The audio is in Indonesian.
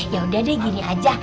ya udah deh gini aja